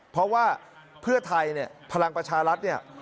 เพราะว่าเพื่อไทยเนี่ยพลังประชารัฐเนี่ย